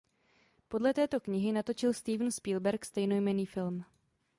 Podle této knihy natočil Steven Spielberg stejnojmenný film.